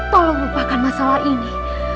tolong lupakan masalah ini